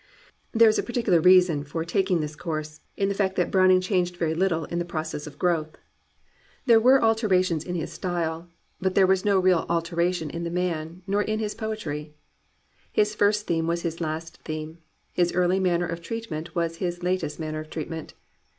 There is a particular reason for taking this course, in the fact that Browning changed very little in the process of 245 COMPANIONABLE BOOKS growth. There were alterations in his style, but there was no real alteration in the man, nor in his poetry. His first theme was his last theme. His early manner of treatment w^as his latest manner of treatment.